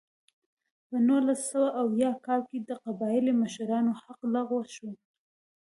په نولس سوه اویا کال کې د قبایلي مشرانو حق لغوه شو.